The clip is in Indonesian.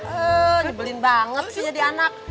eee jebelin banget sih jadi anak